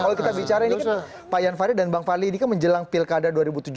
kalau kita bicara ini kan pak jan farid dan bang fadli ini kan menjelang pilkada dua ribu tujuh belas